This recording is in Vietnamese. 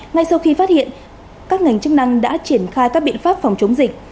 ngay sau khi phát hiện các ngành chức năng đã triển khai các biện pháp phòng chống dịch